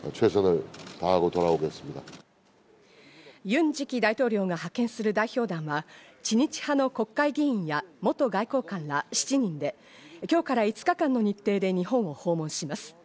ユン次期大統領が派遣する代表団は、知日派の国会議員や元外交官ら７人で、今日から５日間の日程で日本を訪問します。